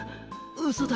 うそだ！」。